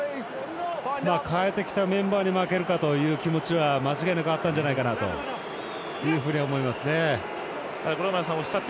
代えてきたメンバーに負けるかというのは間違いなくあったんじゃないかなと思いますね。